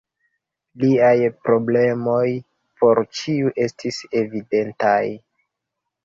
Liaj problemoj por ĉiu estis evidentaj.